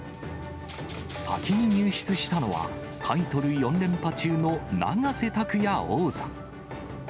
先に入室したのは、タイトル４連覇中の永瀬拓矢王座。